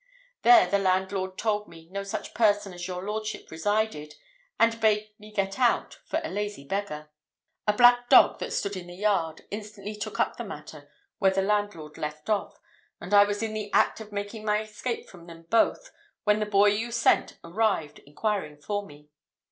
There the landlord told me no such person as your lordship resided, and bade me get out for a lazy beggar. A black dog, that stood in the yard, instantly took up the matter where the landlord left off, and I was in the act of making my escape from them both when the boy you sent arrived, inquiring for me.